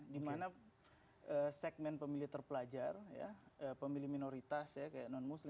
dimana segmen pemilih terpelajar pemilih minoritas kayak non muslim